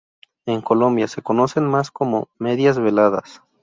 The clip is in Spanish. En Colombia se conocen más como "medias veladas".